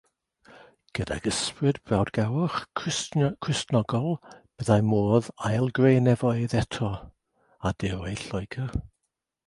Gydag ysbryd brawdgarwch Cristionogol byddai modd ail greu'r nefoedd eto ar diroedd Lloegr.